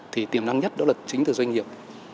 thì tiềm năng nhất đó là chính từ doanh nghiệp